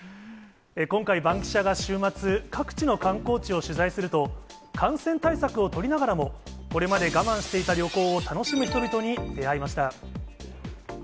今回、バンキシャが週末、各地の観光地を取材すると、感染対策を取りながらも、これまで我慢していた旅行を楽しむ人々に出会いました。